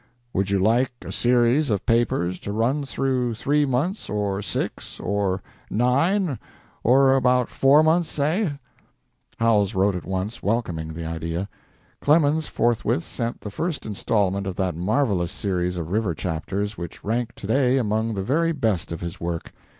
Would you like a series of papers to run through three months, or six, or nine or about four months, say?" Howells wrote at once, welcoming the idea. Clemens forthwith sent the first instalment of that marvelous series of river chapters which rank to day among the very best of his work.